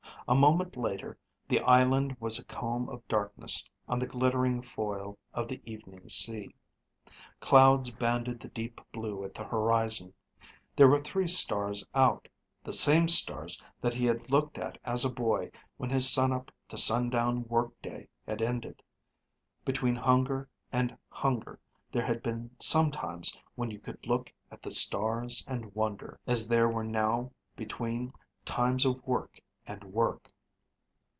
A moment later the island was a comb of darkness on the glittering foil of the evening sea. Clouds banded the deep blue at the horizon. There were three stars out, the same stars that he had looked at as a boy when his sunup to sundown work day had ended. Between hunger and hunger there had been some times when you could look at the stars and wonder, as there were now between times of work and work.